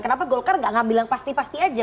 kenapa golkar tidak mengambil yang pasti pasti saja